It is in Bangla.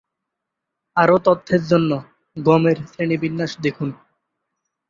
আরও তথ্যের জন্য গমের শ্রেণীবিন্যাস দেখুন।